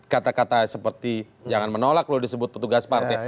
kata kata seperti jangan menolak loh disebut petugas partai